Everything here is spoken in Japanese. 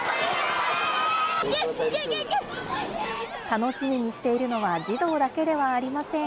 楽しみにしているのは児童だけではありません。